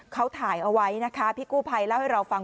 เขาถ่ายเอาไว้นะคะพี่กู้ภัยเล่าให้เราฟัง